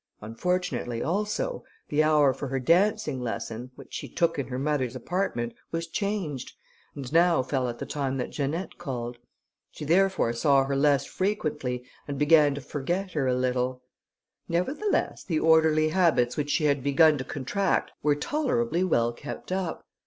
Unfortunately, also, the hour for her dancing lesson, which she took in her mother's apartment, was changed, and now fell at the time that Janette called; she therefore saw her less frequently, and began to forget her a little: nevertheless the orderly habits which she had begun to contract were tolerably well kept up.